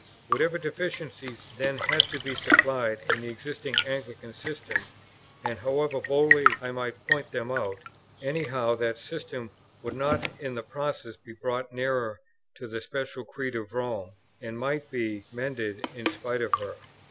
Whatever deficiencies then had to be supplied in the existing Anglican system, and however boldly I might point them out, any how that system would not in the process be brought nearer to the special creed of Rome, and might be mended in spite of her.